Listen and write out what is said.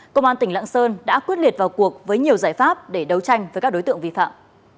công an tỉnh lạng sơn đã quyết liệt vào cuộc với nhiều giải pháp để đấu tranh với các đối tượng vi phạm